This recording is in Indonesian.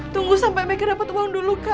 tunggu sampai mikir dapat uang dulu kak